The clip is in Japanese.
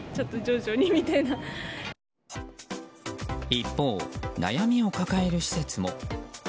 一方、悩みを抱える施設も。